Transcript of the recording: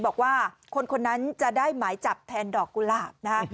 บอกว่าคนคนนั้นจะได้หมายจับแทนดอกกุหลาบนะฮะ